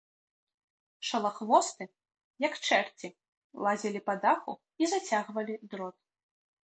Шалахвосты, як чэрці, лазілі па даху і зацягвалі дрот.